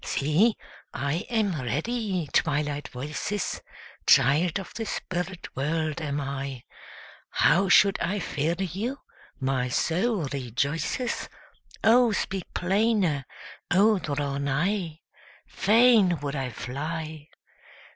See, I am ready, Twilight voices! Child of the spirit world am I; How should I fear you? my soul rejoices, O speak plainer! O draw nigh! Fain would I fly!